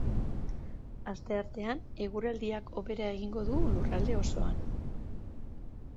Asteartean eguraldiak hobera egingo du lurralde osoan.